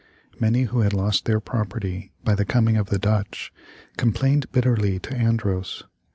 Many who had lost their property by the coming of the Dutch, complained bitterly to Andros.